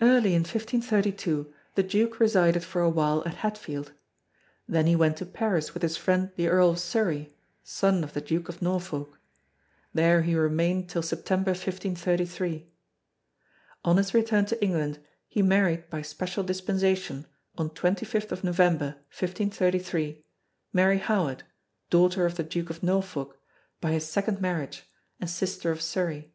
Early in 1532 the Duke resided for a while at Hatfield. Then he went to Paris with his friend the Earl of Surrey, son of the Duke of Norfolk. There he remained till September, 1533. On his return to England he married by special dispensation, on 25 November, 1533, Mary Howard, daughter of the Duke of Norfolk by his second marriage and sister of Surrey.